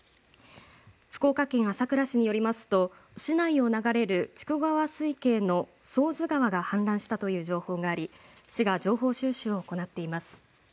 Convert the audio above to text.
福岡県朝倉市によりますと市内を流れる筑後川水系の寒水川が氾濫したという情報があり市が情報収集を行っています。